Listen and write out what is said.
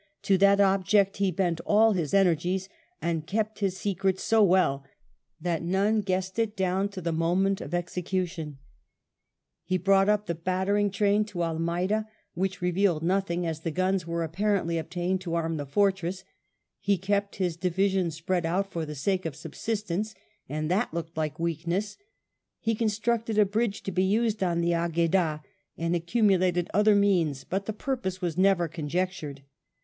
To that object he bent all his energies, and kept his secret so well that none guessed it down to the moment of execution. He brought up the battering train to Almeida, which revealed nothing, as the guns were apparently obtained to arm the fortress; he kept his divisions spread out for the sake of subsistence, and that looked like weakness; he constructed a bridge to be used on the Agueda, and accumulated other means, but the purpose was never conjectured.